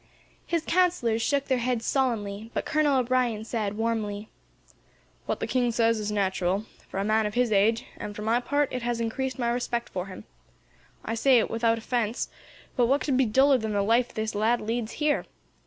His counsellors shook their heads solemnly, but Colonel O'Brien said, warmly: "What the king says is natural, for a man of his age; and, for my part, it has increased my respect for him. I say it without offence, but what could be duller than the life this lad leads here?